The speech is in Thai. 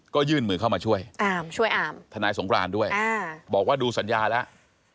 ก็ยื่นมือเข้ามาช่วยอามช่วยอามทนายสงครานด้วยบอกว่าดูสัญญาแล้ว